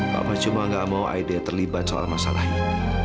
papa cuma gak mau aida terlibat soal masalah ini